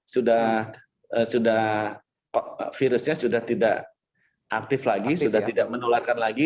sudah virusnya sudah tidak aktif lagi sudah tidak menularkan lagi